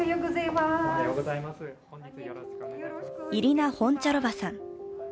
イリナ・ホンチャロヴァさん。